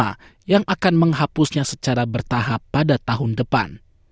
dan negara bagian pertama yang akan menghapusnya secara bertahap pada tahun depan